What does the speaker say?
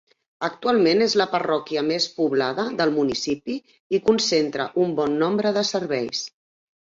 Actualment és la parròquia més poblada del municipi i concentra un bon nombre de serveis.